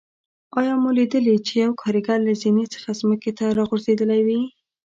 آیا مو لیدلي چې یو کاریګر له زینې څخه ځمکې ته راغورځېدلی وي.